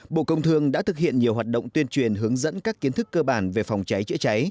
bộ công thương đã thực hiện nhiều hoạt động tuyên truyền hướng dẫn các kiến thức cơ bản về phòng cháy chữa cháy